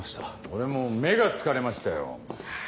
俺も目が疲れましたよ。